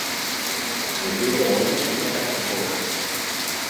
με πήρε όλον και μ' έκανε δικό του.